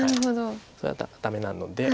それはダメなので。